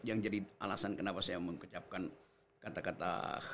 yang jadi alasan kenapa saya mengucapkan kata kata